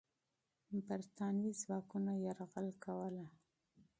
برتانوي ځواکونه یرغل کوله.